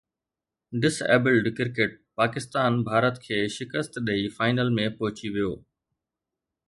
dis abled cricket Pakistan Bharat کي شڪست ڏئي فائنل ۾ پهچي ويو